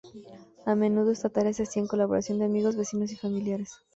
A menudo esta tarea se hacía en colaboración de amigos, vecinos y familiares.